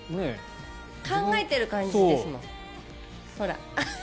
考えてる感じですもんほら。